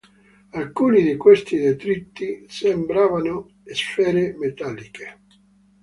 Alcuni di questi detriti sembravano sfere metalliche.